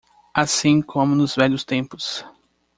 Assim como nos velhos tempos.